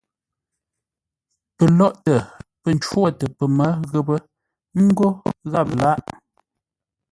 Pəlóghʼtə pə́ ncwotə pəmə́ ghəpə́ ńgó gháp lâghʼ.